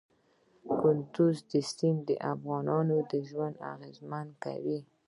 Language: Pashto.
کندز سیند د افغانانو ژوند اغېزمن کوي.